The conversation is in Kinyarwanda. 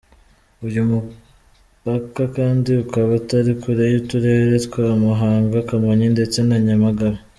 Uyu mupaka kandi ukaba utari kure y’uturere twa Muhanga, Kamonyi ndetse na Nyamagabe.